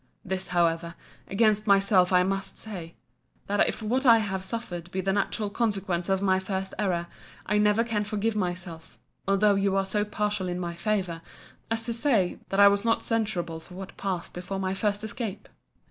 This, however, against myself I must say, That if what I have suffered be the natural consequence of my first error, I never can forgive myself, although you are so partial in my favour, as to say, that I was not censurable for what passed before my first escape.